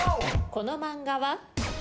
この漫画は？